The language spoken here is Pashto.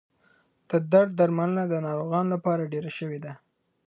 د درد درملنه د ناروغانو لپاره ډېره شوې ده.